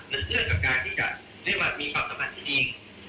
มันเลื่อนกับการที่จะเรียกว่ามีปรับสมัครที่ดี